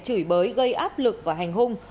chửi bới gây áp lực và hành hung